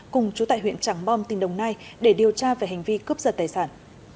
cùng chú tại huyện trắng bom tỉnh đồng nai để điều tra về hành vi cướp giật tài sản